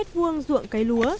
ruộng cây lúa